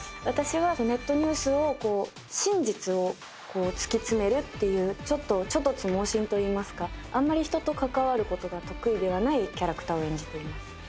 私はネットニュースを真実を突き詰めるっていうちょっと猪突猛進といいますかあんまり人と関わることが得意ではないキャラクターを演じています。